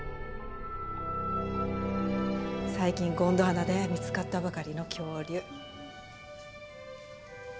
最近ゴンドワナで見つかったばかりの恐竜。